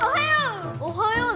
おはよう！